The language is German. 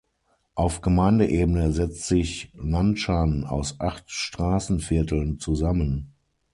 Auf Gemeindeebene setzt sich Nanshan aus acht Straßenvierteln zusammen.